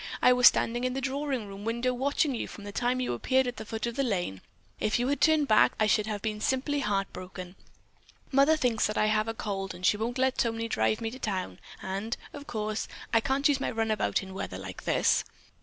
"I was standing in the drawing room window watching you from the time you appeared at the foot of the lane. If you had turned back, I should have been simply heart broken. Mother thinks that I have a cold, and she wouldn't let Tony drive me to town, and, of course, I can't use my runabout in weather like this."